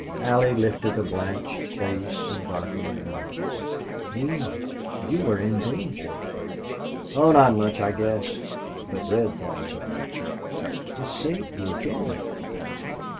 Allie lifted a blanched face and darkening eyes. "Neale! You were in danger." "Oh, not much, I guess. But Red thought so." "He saved you again!...